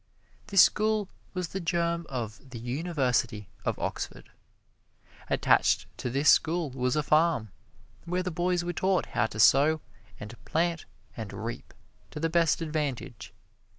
This school was the germ of the University of Oxford. Attached to this school was a farm, where the boys were taught how to sow and plant and reap to the best advantage.